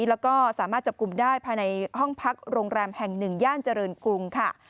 แล้วก็สามารถจับกลุ่มได้ภายในห้องพักโรงแรมแห่งหนึ่งย่านเจริญกรุงค่ะ